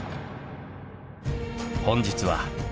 本日は。